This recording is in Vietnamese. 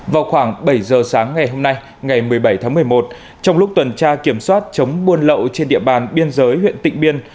vào khoảng bảy giờ sáng ngày hôm nay ngày một mươi bảy tháng một mươi một trong lúc tuần tra kiểm soát chống buôn lậu trên địa bàn biên giới huyện tịnh biên